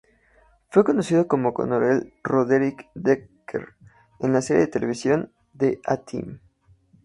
Fue conocido como Coronel Roderick Decker en la serie de televisión "The A-Team".